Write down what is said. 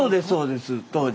そうですね。